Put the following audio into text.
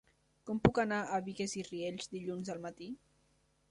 Com puc anar a Bigues i Riells dilluns al matí?